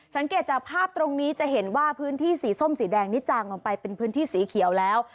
จากภาพตรงนี้จะเห็นว่าพื้นที่สีส้มสีแดงนี่จางลงไปเป็นพื้นที่สีเขียวแล้ว